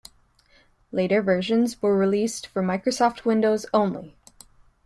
Later versions were released for Microsoft Windows only.